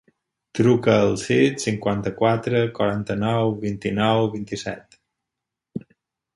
Truca al sis, cinquanta-quatre, quaranta-nou, vint-i-nou, vint-i-set.